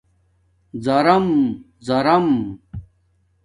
زارم زازام